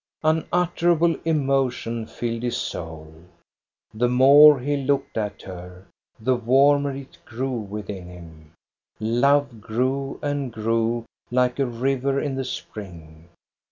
Unutterable emotion filled his soul. The more he looked at her, the warmer it grew within him. Love grew and grew, like a river in the spring.